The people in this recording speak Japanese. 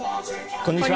こんにちは。